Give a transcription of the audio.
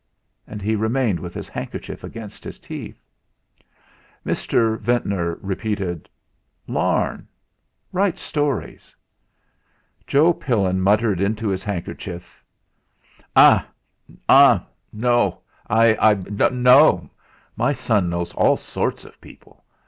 And he remained with his handkerchief against his teeth. Mr. Ventnor repeated: "Larne. Writes stories." Joe Pillin muttered into his handkerchief "Ali! H'm! No I no! My son knows all sorts of people.